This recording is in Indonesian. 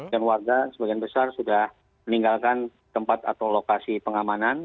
dan warga sebagian besar sudah meninggalkan tempat atau lokasi pengamanan